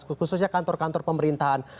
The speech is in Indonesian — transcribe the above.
khususnya kantor kantor pemerintahan